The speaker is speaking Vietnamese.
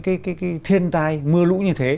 cái thiên tai mưa lũ như thế